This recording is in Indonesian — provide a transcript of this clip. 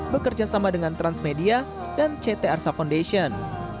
bekerja sama dengan transmedia dan ct arsa foundation